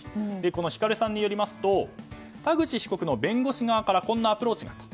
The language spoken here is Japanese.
このヒカルさんによりますと田口被告の弁護士側からこんなアプローチがあった。